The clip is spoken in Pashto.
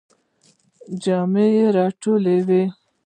جامی را ټولوئ؟